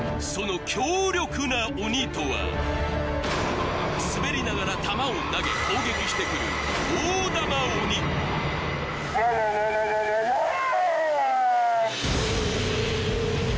その強力な鬼とは滑りながら玉を投げ攻撃してくる大玉鬼ワワワワワワワァ！